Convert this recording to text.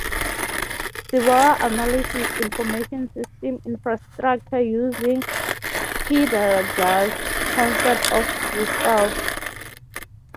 Ciborra analyses Information System infrastructure using Heidegger's concept of Gestell.